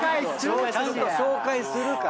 ちゃんと紹介するから。